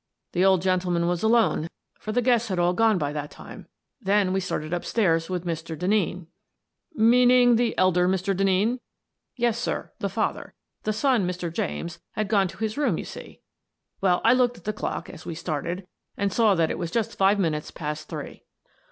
The old gen tleman was alone, for the guests had all gone by that time. Then we started up stairs with Mr. Den neen —"" Meaning the elder Mr. Denneen? "" Yes, sir, the father — the son, Mr. James, had gone to his room, you see. Well, I looked at the clock as we started and saw that it was just five minutes past three."